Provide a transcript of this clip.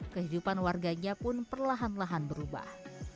kehidupan warganya pun perlahan lahan berubah